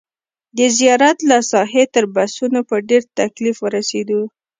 د زیارت له ساحې تر بسونو په ډېر تکلیف ورسېدو.